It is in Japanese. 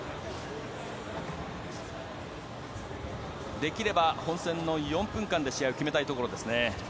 できれば、本選の４分間で試合を決めたいところ。